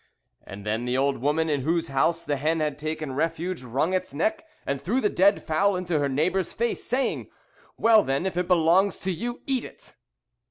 And then the old woman in whose house the hen had taken refuge wrung its neck, and threw the dead fowl into her neighbour's face, saying "'Well, then, if it belongs to you, eat it.'